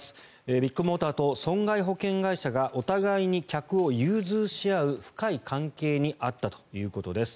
ビッグモーターと損害保険会社がお互いに客を融通し合う深い関係にあったということです。